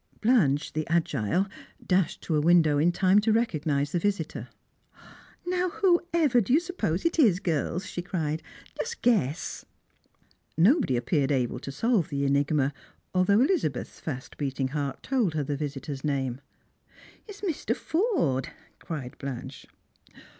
Blanche, the agile, dashed to a window in time to recognise the visitor. "Now, whoever do you suppose it is, girls?" she cried. "Guess!" Strangers and Pilgrims. 151 Nobody appeared able to solve the enigma, although Eliza beth's fast beating heart told her the visitor's name. " Mr. Forde !" cried Blanche.